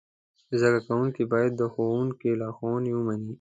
زده کوونکي باید د ښوونکي لارښوونې ومني.